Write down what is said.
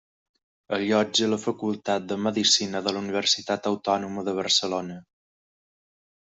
Allotja la Facultat de Medicina de la Universitat Autònoma de Barcelona.